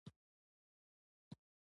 د افغانستان جغرافیا ولې پیچلې ده؟